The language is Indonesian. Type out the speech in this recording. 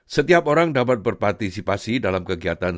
setiap orang dapat berpartisipasi dalam kegiatan